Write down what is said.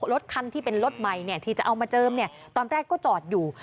รถคันที่เป็นรถใหม่ที่จะเอามาเจิมตอนแรกก็จอดอยู่